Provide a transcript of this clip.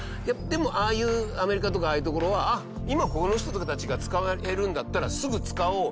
でもああいうアメリカとかああいう所は今この人たちが使えるんだったらすぐ使おう。